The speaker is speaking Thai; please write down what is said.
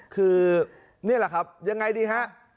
คือนี่แหละครับยังไงดีฮะ